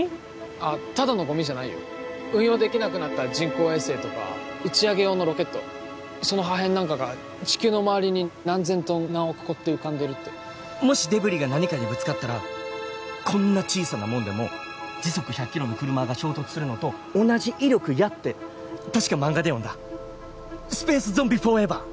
あっただのゴミじゃないよ運用できなくなった人工衛星とか打ち上げ用のロケットその破片なんかが地球の周りに何千トン何億個って浮かんでるってもしデブリが何かにぶつかったらこんな小さなもんでも時速１００キロの車が衝突するのと同じ威力やって確かマンガで読んだ「スペース・ゾンビ・フォーエバー」